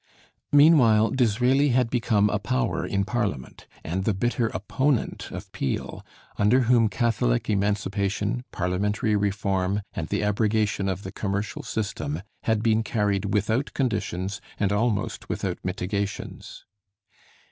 Meanwhile Disraeli had become a power in Parliament, and the bitter opponent of Peel, under whom Catholic emancipation, parliamentary reform, and the abrogation of the commercial system, had been carried without conditions and almost without mitigations.